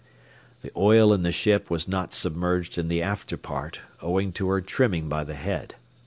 The oil in the ship was not submerged in the after part, owing to her trimming by the head.